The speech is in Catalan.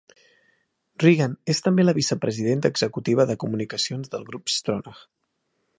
Regan és també la vice-presidenta executiva de comunicacions del Grup Stronach.